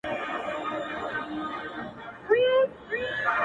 د جهاني د ګل ګېډیو وطن٫